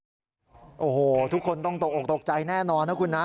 ไปออกมาตรงเลยค่ะโอ้โหทุกคนต้องตกออกตกใจแน่นอนนะคุณนะ